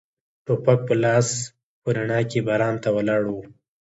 ټوپک په لاس په رڼا کې باران ته ولاړ و.